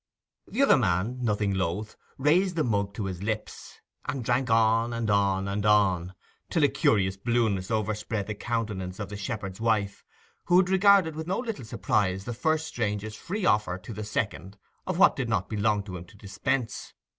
The other man, nothing loth, raised the mug to his lips, and drank on, and on, and on—till a curious blueness overspread the countenance of the shepherd's wife, who had regarded with no little surprise the first stranger's free offer to the second of what did not belong to him to dispense.